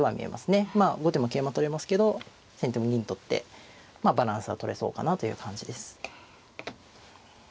まあ後手も桂馬取れますけど先手も銀取ってバランスはとれそうかなという感じです。